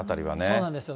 そうなんですよ。